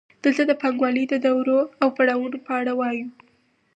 دلته د پانګوالۍ د دورو او پړاوونو په اړه وایو